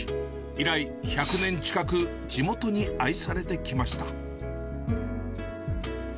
以来１００年近く地元に愛されてきました。